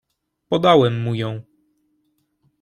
"Podałem mu ją."